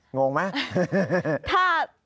งงไหม